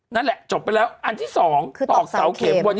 นั่นแหละจบไปแล้วอันที่๒ตอกเสาเข็มบน